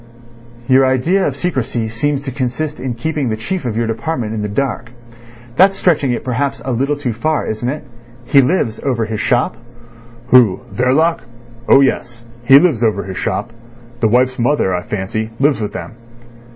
"Your idea of secrecy seems to consist in keeping the chief of your department in the dark. That's stretching it perhaps a little too far, isn't it? He lives over his shop?" "Who—Verloc? Oh yes. He lives over his shop. The wife's mother, I fancy, lives with them."